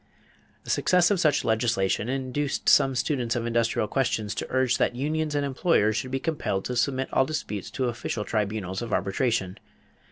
The success of such legislation induced some students of industrial questions to urge that unions and employers should be compelled to submit all disputes to official tribunals of arbitration.